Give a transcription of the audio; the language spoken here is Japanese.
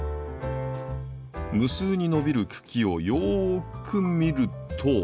無数に伸びる茎をよく見ると。